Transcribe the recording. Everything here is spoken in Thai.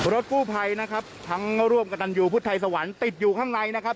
รถกู้ภัยนะครับทั้งร่วมกับตันยูพุทธไทยสวรรค์ติดอยู่ข้างในนะครับ